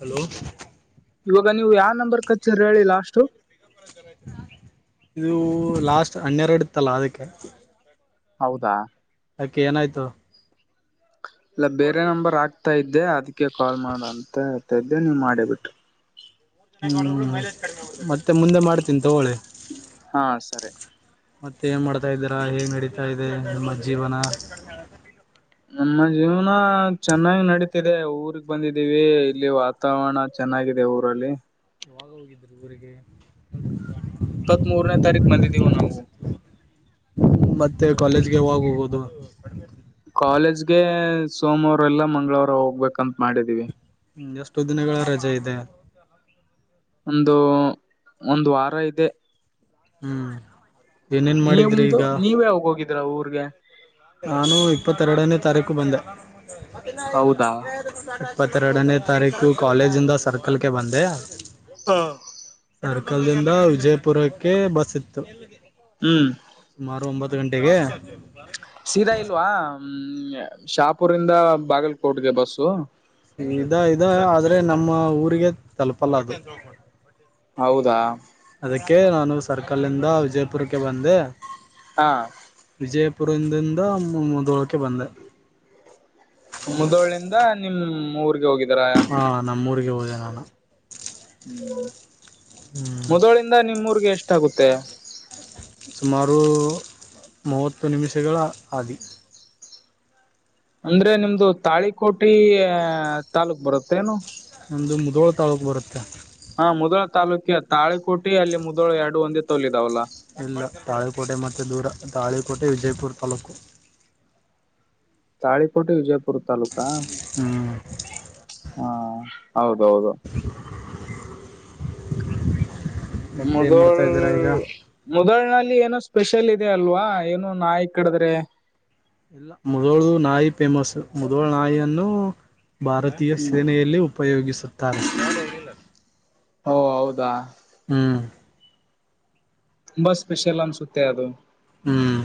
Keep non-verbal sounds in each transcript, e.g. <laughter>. Hello ಇವಾಗ ನೀವು ಯಾವ ನಂಬರ್ ಕಚ್ಚುದ್ರ ಹೇಳಿ ಲಾಸ್ಟು. ಇದು ಲಾಸ್ಟ್ ಹನ್ನೆರಡಿತ್ತಲ್ಲ ಅದಕ್ಕೆ. ಹೌದಾ ಏನಾಯ್ತು ಅಲ್ಲ ಬೇರೆ ನಂಬರ್ ಆಗ್ತಾ ಇದ್ದೆ ಅದಕ್ಕೆ ಕಾಲ್ ಮಾಡ ಅಂತೆ. <unintelligible> ತದ್ದೇ ನೀವು ಮಾಡೇ ಬಿಟ್ಟ್. ಹ್ಮ ಮತ್ತೆ ಮುಂದೆ ಮಾಡ್ತನಿ ತಗೊಳಿ. ಹಾ ಸರಿ. ಮತ್ತೆ ಏನ್ ಮಾಡ್ತಾ ಇದಿರ ಹೆಗ್ ನಡೀತಾ ಇದೆ ನಿಮ್ಮ ಜೀವನ. ನಮ್ಮ ಜೀವನ ಚೆನ್ನಾಗಿ ನಡೀತಿದೆ ಊರ್ಗ್ ಬಂದಿದ್ದೀವಿ ಇಲ್ಲಿ ವಾತಾವರಣ ಚೆನ್ನಾಗ ಇದೆ ಊರಲ್ಲಿ. ಯಾವಾಗ ಹೋಗಿದ್ರು ಊರಿಗೆ. ಇಪ್ಪತ್ತ್ ಮೂರನೇ ತಾರೀಕ್ ಬಂದಿದ್ದೀವ ನಾವು. ಮತ್ತೆ ಕಾಲೇಜ್ಗೆ ಯಾವಾಗೋಗುದು. ಕಾಲೇಜ್ಗೆ ಸೋಮವಾರ ಇಲ್ಲಾ ಮಂಗಳವಾರ ಹೋಗ್ಬೇಕಂತ ಮಾಡಿದೀವಿ. ಎಷ್ಟು ದಿನಗಳ ರಜೆ ಇದೆ. ಒಂದು ಒಂದ್ ವಾರ ಇದೆ. ಹ್ಮ್ ಏನೇನ್ ಮಾಡಿದ್ರಿ ನಿಮ್ದು ಈಗ ನೀವ್ ಯಾವಾಗ ಹೋಗಿದೀರ ಊರ್ಗೆ. ನಾನು ಇಪ್ಪತ್ತೆರಡನೇ ತಾರೀಕು ಬಂದೆ. ಹೌದಾ ಇಪ್ಪತ್ತೆರಡನೇ ತಾರೀಕು ಕಾಲೇಜಿಂದ ಸರ್ಕ <unintelligible> ಕಲ್ಕೆ ಬಂದೆ. ಹಾ ಸರ್ಕಲ್ ಇಂದ ವಿಜಯಪುರಕ್ಕೆ ಬಸ್ ಇತ್ತು ಹ್ಮ್ ಸುಮಾರು ಒಂಬತ್ ಹತ್ತು ಗಂಟೆಗೆ. ಸೀದಾ ಇಲ್ವಾ ಹ್ಮ್ ಶಾಪುರಿಂದ ಬಾಗಲ್ಕೋಟ್ಗೆ ಬಸ್ಸು. ಇದ ಇದ ಆದ್ರೆ ನಮ್ಮ ಊರಿಗೆ ತಲುಪಲ್ಲ ಅದು. ಹೌದಾ. ಅದಕ್ಕೆ ನಾನು ಸರ್ಕಲ್ ಇಂದ ವಿಜಯಪುರಕ್ಕೆ ಬಂದೆ. ಹಾ <unintelligible> ಪುರಂದಿಂದ ಮುದೋಳಕ್ಕೆ ಬಂದೆ. ಮುದೋಳಿಂದ ನಿಮ್ ಊರ್ಗೆ ಹೋಗಿ <unintelligible> ಯ ಹಾ ನಮ್ಮೂರಿಗೆ ಹೋದೆ ನಾನು ಹ್ಮ. ಹ್ಮ್ ಮುದೋಳಿಂದ ನಿಮ್ಮೂರ್ಗೆ ಎಷ್ಟಾಗುತ್ತೆ. ಸುಮಾರು ಮೂವತ್ತು ನಿಮಿಷಗಳ ಆಗಿ. ಅಂದ್ರೆ ನಿಮ್ದು ತಾಳಿಕೋಟಿ ತಾಲೂಕ್ ಬರುತ್ತೇನು. ನಮ್ದು ಮುದೋಳ್ ತಾಲೂಕ್ ಬರುತ್ತೆ. ನ ಮುದೋಳ ತಾಲೂಕ ತಾಳಿಕೋಟಿ ಅಲ್ಲಿ ಮುದೋಳ ಎರಡು ಒಂದ ತೋಲ್ ಇದಾವಲ್ಲಾ. ಇಲ್ಲ ತಾಳುಕೋಟೆ ಮತ್ತೆ ದೂರ. ತಾಳಿಕೋಟೆ ವಿಜಯಪುರ್ ತಾಲೂಕು. ತಾಳಿಕೋಟೆ ವಿಜಯಪುರ್ ತಾಲೂಕ ಹ್ಮ್ ಹಾ ಹೌದೌದು. ಮತ್ತೆ ಏನ್ ಮಾಡ್ತಾ ಮುದೋಳ್ ಇದ್ದೀರಾ ಈಗ ಮುದೋಳ್ನಲ್ಲಿ ಏನ. ಸ್ಪೆಷಲ್ ಇದೆ ಅಲ್ವಾ ಏನು ನಾಯಿ ಕಡದ್ರೆ. ಇಲ್ಲ ಮುದೋಳ ನಾಯಿ ಫೇಮಸ್ ಮುದೋಳ ನಾಯಿಯನ್ನು. ಭಾರತೀಯ ಹ್ಮ್ ಸೇನೆಯಲ್ಲಿ ಉಪಯೋಗಿಸುತ್ತಾರೆ. ಓ ಹೌದಾ. ಹ್ಮ್. ತುಂಬಾ ಸ್ಪೆಷಲ್ ಅನ್ಸುತ್ತೆ ಅದು. ಹ್ಮ್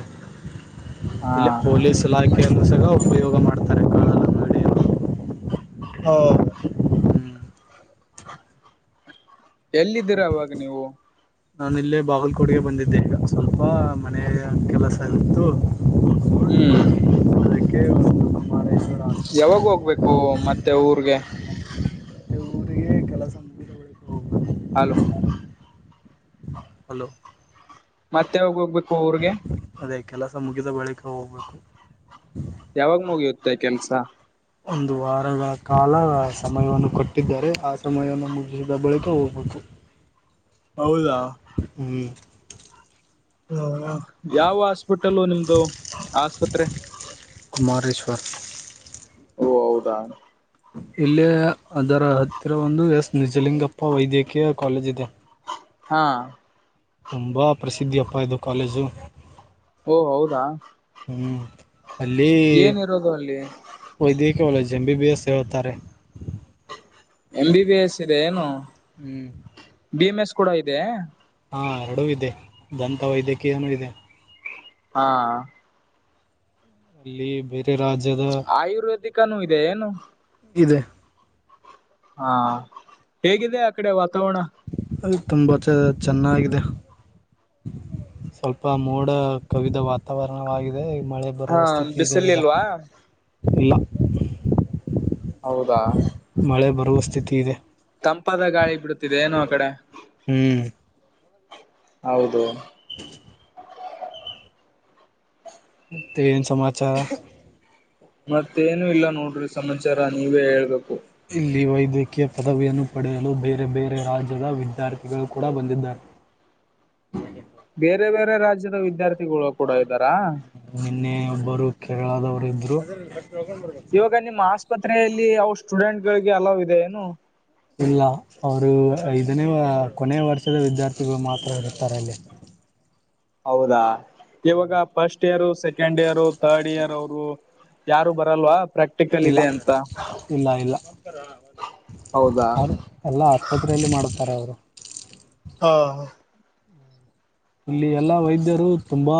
ಹಾ ಇಲ್ಲ ಪೊಲೀಸ್ ಇಲಾಖೆ. ದ ಸಹ ಉಪಯೋಗ ಮಾಡ್ತಾರೆ ಕಾಳ ನಡಿರು. ಹಾ. ಎಲ್ಲಿದ್ದೀರಾ ಅವಾಗ ನೀವು. ನಾನ ಇಲ್ಲೇ ಬಾಗಲಕೋಟೆಗೆ ಬಂದಿದ್ದೆ ಈಗ ಸ್ವಲ್ಪ ಮನೆಯ ಕೆಲಸ ಆಗತ್ತು. ಹ್ಮ್ <unintelligible> ಆಸ್ಪತ್ರೆಗೆ ಯಾವಾಗ ಬಂದಿದ್ದೆ ಹೋಗ್ಬೇಕು ಮತ್ತೆ ಊರ್ಗೆ. ಅ ಊರಿಗೆ ಕೆಲಸ ಮುಗಿದ ಬಳಿಕ ಹೋಗ್ಬೇಕು. ಹಲೋ. ಹಲೋ. ಮತ್ತ ಯಾವಾಗ ಹೋಗ್ಬೇಕು ಊರ್ಗೆ?. ಅದೇ ಕೆಲಸ ಮುಗಿದ ಬಳಿಕ ಹೋಗ್ಬೇಕು. ಯಾವಾಗ ಮುಗಿಯುತ್ತೆ ಕೆಲ್ಸಾ?. ಒಂದು ವಾರಗಳ ಕಾಲ ಸಮಯವನ್ನು ಕೊಟ್ಟಿದ್ದಾರೆ ಆ ಸಮಯವನ್ನು ಮುಗಿದ ಬಳಿಕ ಹೋಗಬೇಕು. <inaudible> ಹೌದಾ, ಹ್ ಯಾವ ಹಾಸ್ಪಿಟಲ್ ನಿಮ್ದು ಆಸ್ಪತ್ರೆ? ಮಾರೆಶ್ವ. ಓ ಹೌದಾ!. ಇಲ್ಲೆ ಅದರ ಹತ್ತಿರ ಒಂದು ಎಸ್ ನಿಜಲಿಂಗಪ್ಪ ವೈದ್ಯಕೀಯ ಕಾಲೇಜ್ ಇದೆ. ಹಾಂ. ತುಂಬ ಪ್ರಸಿದ್ದಿಯಪ್ಪ ಇದು ಕಾಲೇಜು.. ಓ ಹೌದಾ!. ಹ್ಮ್ ಅಲ್ಲಿ. ಏನಿರೋದು ಅಲ್ಲಿ ಕಾಲೇಜ ಎಮ್ ಬಿಬಿಎಸ್ ಹೇಳ್ತಾರೆ. ಎಮ್ ಬಿಬಿಎಸ್ ಇದೆ ಏನು. ಹ್ಮ್ ಎಮ್ಎಸ್ ಕೂಡ ಇದೆಯೆ. ಹಾಂ ಎರಡೂ ಇದೆ ದಂತ ವೈದ್ಯಕೀಯನು ಇದೆ. ಹಾಂ. ಇಲ್ಲಿ ಬೆ. ಆಯ್ರುವೇದಿಕ್ನು ಇದೆ ಏನು. ಇದೆ. ಹಾಂ ಹೇಗಿದೆ ಆ ಕಡೆ ವಾತಾವರಣ. ಅದು ತುಂಬಾ ಚ ಚೆನ್ನಾಗಿದೆ.. ಸ್ವಲ್ಪ ಮೋಡ ಕವಿದ ವಾತಾವರಣವಾಗಿದೆ. ಮಳೆ ಹಾ ಬರುವ ಸ್ಥಿತಿ ಇದೆ ಈಗ ಬಿಸಿಲಿಲ್ವಾ ಇಲ್ಲಾ?. ಹೌದಾ. ಮಳೆ ಬರುವ ಸ್ಥಿತಿ ಇದೆ. ತಂಪಾದ ಗಾಳಿ ಬಿಡುತಿದೆ ಏನೊ ಆ ಕಡೆ. ಹ್ಮ್ ಹೌದು. <inaudible> ಮತ್ತೆ ಏನ್ ಸಮಾಚಾರ. ಮತ್ತೇನು ಇಲ್ಲ ನೋಡ್ರಿ ಸಮಾಚಾರ ನೀವೇ ಹೇಳ್ಬೇಕು. ಇಲ್ಲಿ ವೈದ್ಯಕೀಯ ಪದವಿಯನ್ನು ಪಡೆಯಲು ಬೇರೆ ಬೇರೆ ರಾಜ್ಯದ ವಿದ್ಯಾರ್ಥಿಗಳು ಕೂಡ ಬಂದಿದ್ದಾರೆ. <unintelligible> ಬೇರೆ ಬೇರೆ ರಾಜ್ಯದ ವಿದ್ಯಾರ್ಥಿಗಳು ಕೂಡ ಇದಾರಾ. ನಿನ್ನೆ ಒಬ್ಬರು ಕೇರಳದವರು ಇದ್ರು. ಇವಾಗ ನಿಮ್ಮ್ ಆಸ್ಪತ್ರೆಯಲ್ಲಿ ಅವ್ರ ಸ್ಟೂಡೆಂಟ್ಗಳಿಗೆ ಅಲವ್ ಇದೆ ಏನು. ಇಲ್ಲ ಅವರು ಐದನೇ ಕೊನೆಯ ವರ್ಷದ ವಿದ್ಯಾರ್ಥಿಗಳು ಮಾತ್ರ ಇರುತ್ತಾರೆ ಅಲ್ಲಿ. <inaudible> ಹೌದಾ ಇವಾಗ first year second year third year ಅವರು. ಯಾರು ಬರಲ್ವಾ. ಪ್ರಾಕ್ಟಿಕಲ್ ಇಲ್ಲಾ ಇದೆ ಅಂತ ಇಲ್ಲಾ ಇಲ್ಲ. ಹೌದಾ ಅವ್ರ <unintelligible> ಎಲ್ಲ ಆಸ್ಪತ್ರೆಯಲ್ಲಿ ಮಾಡುತ್ತಾರೆ ಅವರು. ಆ ಇಲ್ಲಿ ಎಲ್ಲಾ ವೈದ್ಯರು ತುಂಬಾ.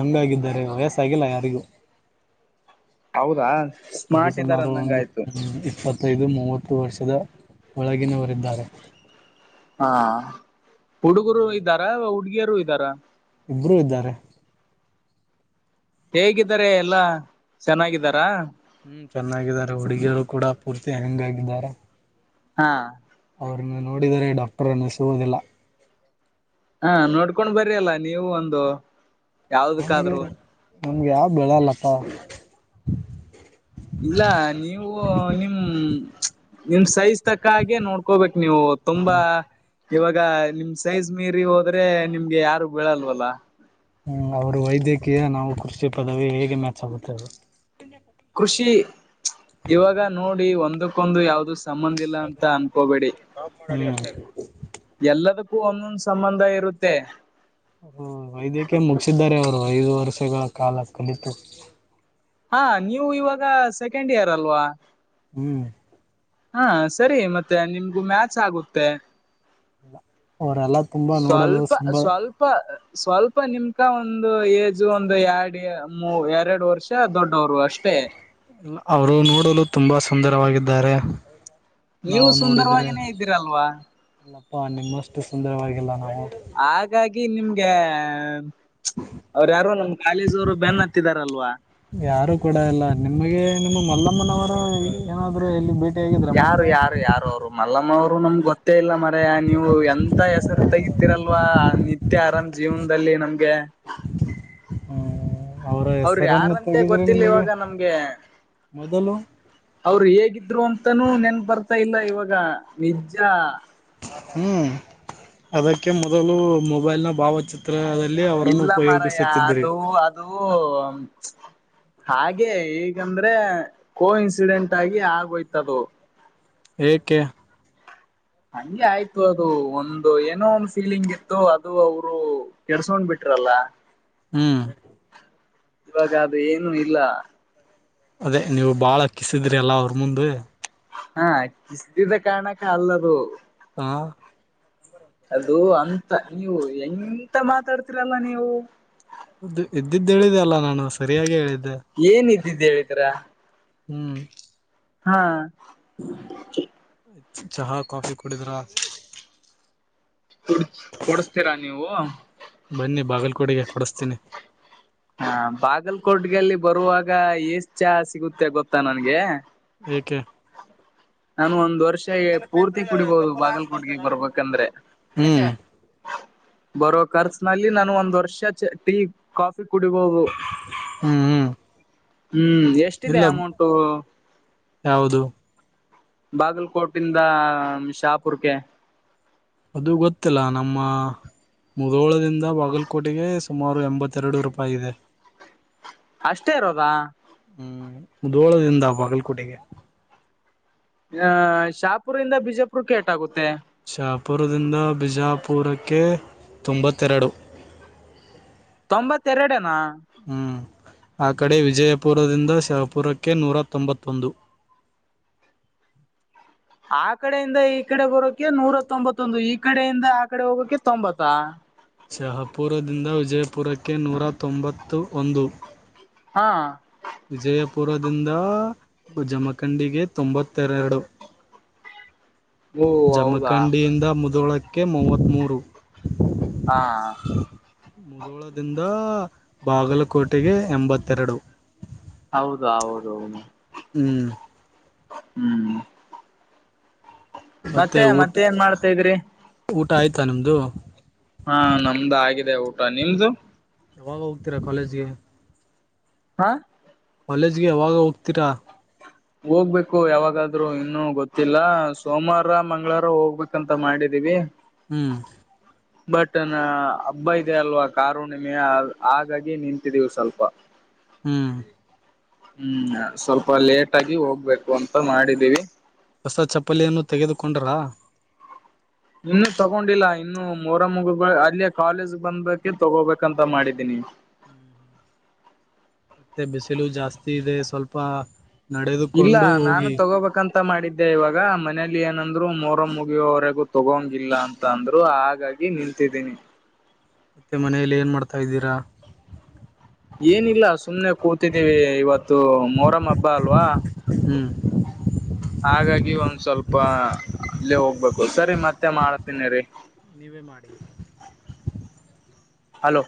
ಯಂಗ ಆಗಿದ್ದಾರೆ ವಯಸ್ಸಾಗಿಲ್ಲ ಯಾರಿಗೂ. ಹೌದಾ. ಸರಿ ಸ್ಮಾರ್ಟ್ ಇದ್ದಾರ ಸುಮಾರು ಅಂದಂಗ ಒಂದು ಆಯ್ತು ಇಪ್ಪತ್ತೈದು ಮೂವತ್ ಹತ್ತು ವರ್ಷದ ಒಳಗಿನವರಿದ್ದಾರೆ. ಹಾ ಹುಡುಗರು ಇದ್ದಾರ ಹುಡುಗಿಯರು ಇದ್ದಾರ. ಇಬ್ರೂ ಇದ್ದಾರೆ. ಹೇಗಿದ್ದಾರೆ ಎಲ್ಲಾ ಚೆನ್ನಾಗಿದ್ದಾರಾ. ಹ್ಮ್ ಚೆನ್ನಾಗಿದ್ದಾರೆ ಹುಡುಗಿಯರು ಕೂಡ ಪೂರ್ತಿ ಯಂಗ್ ಆಗಿದ್ದಾರೆ. ಹಾ ಅವ್ರನ್ನ ನೋಡಿದರೆ ಡಾಕ್ಟರ್ ಅನ್ನಿಸುವುದಿಲ್ಲ. ಹಾ ನೋಡ್ಕೊಂಡ್ ಬರ್ರಿ ಅಲ್ಲ ನೀವು ಒಂದು ಯಾವ್ದಕ್ಕಾದ್ರು. ನಮ್ಗ ಯಾವ ಬಿಳಲ್ಲಪ್ಪ. ಇಲ್ಲ ನೀವು ನಿಮ್ ನಿಮ್ಮ ಸೈಜ್ ತಕ್ಕ ಹಾಗೆ ನೋಡ್ಕೋಬೇಕ್ ನೀವು ತುಂಬಾ. ಇವಾಗ ನಿಮ್ಮ ಸೈಜ್ ಮೀರಿ ಹೋದ್ರೆ ನಿಮ್ಗೆ ಯಾರು ಬಿಳಲ್ವಲ್ಲ. ಹ್ಮ್ ಅವರು ವೈದ್ಯಕೀಯ ನಾವು ಕೃಷಿ ಪದವಿ ಹೇಗೆ ಮ್ಯಾಚ್ ಆಗುತ್ತೆ. ಕೃಷಿ ಇವಾಗ ನೋಡಿ ಒಂದಕ್ಕೊಂದು ಯಾವ್ದು ಸಂಬಂಧ ಇಲ್ಲ ಅಂತಾ ಅನ್ಕೋಬೇಡಿ ಹ್ಮ್ ಎಲ್ಲದಕ್ಕೂ. ಒಂದೊಂದು ಸಂಬಂಧ ಇರುತ್ತೆ. ಹ್ಮ್ ವೈದ್ಯಕಿಯಾ ಮುಗಸಿದ್ದಾರೆ ಅವರು ಐದು ವರ್ಷಗಳ ಕಾಲ ಮುಗೀತು. ಹ ನೀವು ಇವಾಗ ಸೆಕೆಂಡ್ ಇಯರ್ ಅಲ್ವಾ. ಹ್ಮ್ ಹ ಸರಿ ಮತ್ತೆ ನಿಮ್ಗೂ ಮ್ಯಾಚ್ ಆಗುತ್ತೆ. ಅವರೆಲ್ಲ ತುಂಬಾ ನೋಡಲ್ಲ ಸ್ವಲ್ಪ ತುಂಬಾ. ಸ್ವಲ್ಪ ಸ್ವಲ್ಪ ನಿಮ್ಕ ಒಂದು ಏಜು ಒಂದು ಎರಡ್ ಮೂರು ಎರಡು ವರ್ಷ ದೊಡ್ಡವರು ಅಷ್ಟೇ. ಅವರು ನೋಡಲು ತುಂಬಾ ಸುಂದರವಾಗಿದ್ದಾರೆ. ನೀವು ನಾವು ನೋಡಿದ್ರೆ ಸುಂದರವಾಗಿನೇ ಇದ್ದೀರಲ್ವಾ ನಿಮ್ಮಷ್ಟು ಸುಂದರವಾಗಿಲ್ಲ ಬ್ರೋ. ಹಾಗಾಗಿ ನಿಮ್ಗೆ. ಅವ್ರ ಯಾರು ನಮ್ ಕಾಲೇಜ್ ಅವರು ಬೆನ್ ಹತ್ತಿದಾರಲ್ವಾ. ಯಾರು ಕೂಡ ಎಲ್ಲ ನಿಮಗೆ ನಿಮ್ಮ ಮಲ್ಲಮ್ಮನವರು ಏನಾದ್ರು ಎಲ್ಲಿ ಬಿಟ್ ಯಾರು ಯಾರು ಯಾರು ಅವ್ರು ಮಲ್ಲಮ್ಮ ಅವ್ರು ನಮ್ಗ್ ಗೊತ್ ಮತ್ತ ಇಲ್ಲ ಮರ್ಯಾ ನೀವು ಎಂತ ಹೆಸರು ತಗತಿರಲ್ವಾ ನಿತ್ಯ ಆರಾಮ ಜೀವನದಲ್ಲಿ ನಮ್ಗೆ. <inaudible> ಹ್ಮ್. ಅವರ ಅವ್ರ ಹೆಸರನ್ನು ಯಾರಂತೆ ತೆಗೆದ್ರೆ ಗೊತ್ತಿಲ್ಲ ನಿಮಗೆ ಇವಾಗ ನಮ್ಗೆ. ಮೊದಲು ಅವರು ಹೇಗಿದ್ರು ಅಂತಾನೂ ನೆನ್ ಬರ್ತಾ. ತ ಇಲ್ಲ ಇವಾಗ ನಿಜ. ಹ್ಮ್ ಅದಕ್ಕೆ ಮೊದಲು ಮೊಬೈಲ್ ನ ಭಾವಚಿತ್ರ ಅದಕ್ಕೆ. ಇಲ್ಲ ಮಾರಾಯ ಅದು ಅದು. ಹಾಗೆ ಈಗಂದ್ರೆ ಕೋ ಇನ್ಸಿಡೆಂಟ್ ಆಗಿ ಆಗೋಯ್ತದು. ಏಕೆ. ಹಂಗೆ ಆಯ್ತು ಅದು ಒಂದು ಏನೋ ಒಂದು ಫೀಲಿಂಗ್ ಇತ್ತು ಅದು ಅವರು ಕೆರ್ಸ್ಕೊಂಡ್ ಬಿಟ್ಟ. ಅಲ್ಲ. ಹ್ಮ್. ಇವಾಗ ಅದು ಏನು ಇಲ್ಲ. ಅದೇ ನೀವು ಬಾಳ ಕಿಸಿದ್ರಿ ಅಲ್ಲ ಅವ್ರ ಮುಂದೆ. ಹಾ ಕಿಸ್ದಿದ ಕಾರಣಕ್ಕೆ ಅಲ್ಲದು. ಹಾ. ಅದು ಅಂತಾ ನೀವು ಎಂತ ಮಾತಾಡ್ತಿರಲ್ಲ ನೀವು. ದು ಇದ್ದಿದ್ದು ಹೇಳಿದೆ ಅಲ್ಲಾ ನಾನು ಸರಿಯಾಗಿ ಹೇಳಿದ್ದೆ. ಏನ್ದಿದ್ದು ಹೇಳಿದ್ರ ಹಾ. ಆಯ್ತು ಚಹಾ ಕಾಫಿ ಕುಡಿದ್ರ. ಡ್ ಕೊಡಸ್ತೀರಾ ನೀವು. ಕುಡಿಯ ಕೊಡಿಸ್ತೀನಿ. ಹಾ ಬಾಗಲ್ಕೋಟ್ಗಲ್ಲಿ ಬರುವಾಗ ಎಷ್ಟ್ ಚಾ ಸಿಗುತ್ತೆ ಗೊತ್ತಾ ನನ್ಗೆ. ಏಕೆ. ನಾನು ಒಂದ್ ವರ್ಷ ಪೂರ್ತಿ ಕುಡಿಬೋದು ಬಾಗಲ್ಕೋಟ್ಗೆ ಬರ್ಬೇಕಂದ್ರೆ. ಹ್ಮ. ಬರೋ ಖರ್ಚ್ನಲ್ಲಿ ನಾನು ಒಂದ್ ವರ್ಷ ಟೀ ಕಾಫಿ. ಕುಡಿಬೋದು. ಹ್ಮ್ ಹ್ಮ್ ಹ್ಮ್ ಎಷ್ಟಿದೆ ಇಲ್ಲ ಅಮೌಂಟು. ಯಾವುದು ಬಾಗಲ್ಕೋಟ ಇಂದ ಶಹಾಪೂರ್ಗೆ. ಅದು ಗೊತ್ತಿಲ್ಲ ನಮ್ಮ ಮುದೋಳದಿಂದ ಬಾಗಲಕೋಟೆಗೆ. ಸುಮಾರು ಎಂಬತ್ತೆರಡು ರೂಪಾಯಿ ಇದೆ. ಅಷ್ಟೇ ಇರೋದಾ. ಹ್ಮ್ ಮುಧೋಳದಿಂದ ಬಾಗಲಕೋಟೆಗೆ. ಆ ಶಾಪುರ್ ಇಂದ ಬಿಜಪುರಕ್ಕೆೇಟಾಗುತ್ತೆ. ಶಾಪುರದಿಂದ ಬಿಜಾಪು. ಪೂರಕ್ಕೆ ತೊಂಬತ್ತೆರಡು. ತೊಂಬತ್ತೆರಡನಾ. ಹ್ಮ್ ಆ ಕಡೆ ವಿಜಯಪುರದಿಂದ ಶಹಾಪುರಕ್ಕೆ ನೂರ ತೊಂಬತ್ತೊಂದು. <inaudible> <unintelligible> ಆ ಕಡೆಯಿಂದ ಈ ಕಡೆ ಬರೋಕೆ ನೂರ ತೊಂಬತ್ತೊಂದು ಈ ಕಡೆಯಿಂದ ಆ ಕಡೆ ಹೋಗೋಕೆ ತೊಂಬತ್ತಾ. ಶಹಪುರದಿಂದ ವಿಜಯಪುರಕ್ಕೆ ನೂರಾ ತೊಂಬತ್ತು ಒಂದು. ಹಾ. ವಿಜಯಪುರದಿಂದ ಜಮಖಂಡಿಗೆ ತೊಂಬತ್ತೆರರಡು. ಓ ಹೌದಾ ಜಮಖಂಡಿಯಿಂದ ಮುದಳಕ್ಕೆ ಮೂವತ್ತ್ತ್ಮ ಮೂರು. ಹಾ ಮುದೋಳದಿಂದ ಬಾಗಲಕೋಟೆಗೆ ಎಂಬತ್ತೆರಡು ಹೌದು ಹೌದುೌದು ಹ್ಮ್ ಹ್ಮ್ ಮತ್ತೆ ಮತ್ತೆ ಏನ್ ಮಾಡ್ತಾ ಇದ್ರಿ ಊ ಆಯ್ತಾ ನಮ್ದು ಹಾ ನಮ್ದು ಆಗಿದೆ ಊಟ ನಿಮ್ದು ಯಾವಾಗ ಹೋಗ್ತೀರಾ ಕಾಲೇಜ್ಗೆ ಹಾ ಕಾಲೇಜ್ಗೆ ಯಾವಾಗ ಹೋಗ್ತೀರಾ ಹೋಗ್ಬೇಕು ಯಾವಾಗಾದ್ರು ಇನ್ನುೂ ಗೊತ್ತಿಲ್ಲ ಸೋಮವಾರ ಮಂಗ್ಗಳಾರ ಹೋಗ್ಬೇಕಂತ ಮಾಡಿದೀವಿ ಹ್ಮ್ ಬಟ್ ನ ಹಬ್ಬ ಇದೆ ಅಲ್ವಾ ಕಾರುಣ್ಣಿಮೆ ಹಾಗಾಗಿ ನಿಂತಿದೀವಿ ಸ್ವಲ್ಪ ಹ್ಮ್ ಹ್ಮ್ ಸ್ವಲ್ಪ ಲೇಟ್ ಆಗಿ ಹೋಗ್ಬೇಕು ಅಂತ ಮಾಡಿದ್ದೀವಿ ಹೊಸ ಚಪ್ಪಲಿಯನ್ನು ತೆಗೆದುಕೊಂಡ್ರಾ ಇನ್ನು ತಗೊಂಡಿಲ್ಲ ಇನ್ನು ಮರ ಮುಗ ಅಲ್ಲಿಯ ಕಾಲೇಜ್ ಬಂದಬೇಕೆ ತಗೋಬೇಕಂತ ಮಾಡಿದ್ದೀನಿ ಹ್ಮ್ ಹ್ಮ್ ಮತ್ತೆ ಬಿಸಿಲು ಜಾಸ್ತಿ ಇದೆ ಸ್ವಲ್ಪ ಇಲ್ಲ ನಡೆದುಕೊಂಡು ನಾನು ಹೋಗಿ ತಗೋಬೇಕಂತ ಮಾಡಿದ್ದೆ ಇವಾಗ ಮನಲಿ ಏನು ಂದ್ರು ಮೋರ ಮುಗಿಯವರೆಗೂ ತಗೋಂಗಿಲ್ಲ ಅಂತ ಅಂದ್ರು ಹಾಗಾಗಿ ನಿಂತಿದ್ದೀನಿ ಮೆ ಮನೆಯಲ್ಲಿ ಏನ್ ಮಾಡ್ತಇದಿರಾ ಏನಿಲ್ಲ ಸುಮ್ನೆ ಕೂತಿದ್ದೀವಿ ಇವತ್ತು ಮೊರಂ ಹಬ್ಬ ಅಲ್ವಾ ಹ್ಮ್ ಹಾಗಾಗಿ ಒಂದ್ ಸ್ವಲ್ಪ ಅಲ್ಲೇ ಹೋಗ್ಬೇಕು ಸರಿ ಮತ್ತೆ ಮಾಡತೀನಿ ರೀ ನೀವೇ ಮಾಡಿ ಹಲೋ